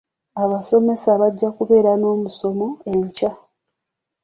Abasomesa bajja kubeera n'omusomo enkya.